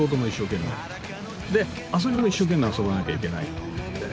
で遊びも一生懸命遊ばなきゃいけない。